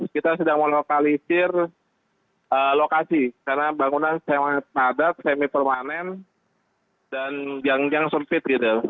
kita sedang melokalisir lokasi karena bangunan semadat semi permanen dan yang sempit